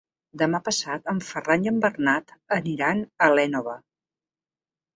Demà passat en Ferran i en Bernat aniran a l'Énova.